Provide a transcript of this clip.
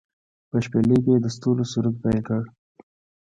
په شپیلۍ کې يې د ستورو سرود پیل کړ